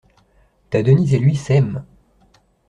Ta Denise et lui s'aiment!